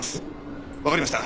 わかりました。